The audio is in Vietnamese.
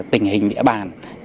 tình hình địa bàn